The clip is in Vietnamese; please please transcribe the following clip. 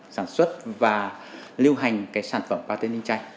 sản xuất và lưu hành sản phẩm pate minchay